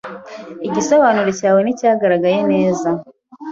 Igisobanuro cyawe nticyagaragaye neza.